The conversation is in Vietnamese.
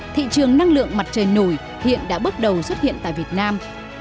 thị trường năng lượng mặt trời nổi hiện đã bước đầu xuất hiện tại việt nam